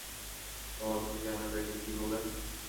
বাবা, তুমি জানো এটাকে কী বলে?